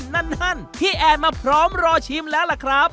นั่นพี่แอนมาพร้อมรอชิมแล้วล่ะครับ